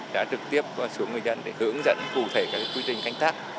đã trực tiếp xuống người dân để hướng dẫn cụ thể các quy trình canh tác